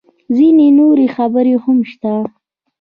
_ځينې نورې خبرې هم شته.